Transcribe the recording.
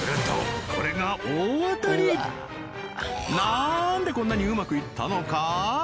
何でこんなにうまくいったのか？